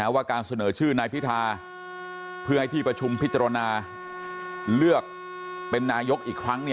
ว่าการเสนอชื่อนายพิธาเพื่อให้ที่ประชุมพิจารณาเลือกเป็นนายกอีกครั้ง